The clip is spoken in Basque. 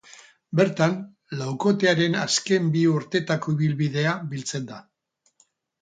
Bertan, laukotearen azken bi urteetako ibilbidea biltzen da.